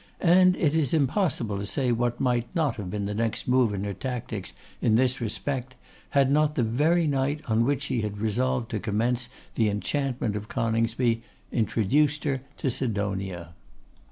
And it is impossible to say what might not have been the next move in her tactics in this respect, had not the very night on which she had resolved to commence the enchantment of Coningsby introduced to her Sidonia.